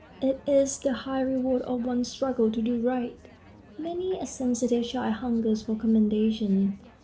It is the high reward of one's struggle to do right. Many a sensitive child hungers for commendation.